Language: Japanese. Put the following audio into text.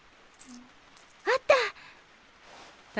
あった！